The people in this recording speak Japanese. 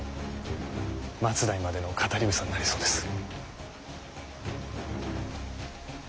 末代までの語りぐさになりそうです。